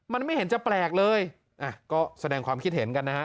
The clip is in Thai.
มันไม่เห็นจะแปลกเลยอ่ะก็แสดงความคิดเห็นกันนะฮะ